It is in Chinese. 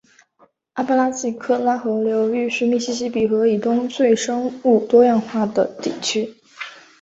阿巴拉契科拉河流域是密西西比河以东最生物多样化的地区